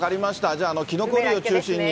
じゃあきのこ類を中心に。